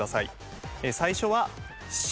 最初は「し」。